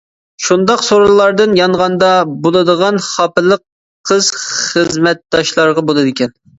شۇنداق سورۇنلاردىن يانغاندا، بولىدىغان خاپىلىق قىز خىزمەتداشلارغا بولىدىكەن.